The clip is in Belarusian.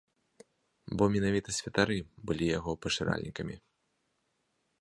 Бо менавіта святары былі яго пашыральнікамі.